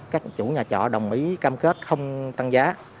các chủ nhà trọ đồng ý cam kết không tăng giá